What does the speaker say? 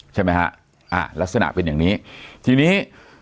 ใช่ไหมฮะอ่าลักษณะเป็นอย่างนี้ทีนี้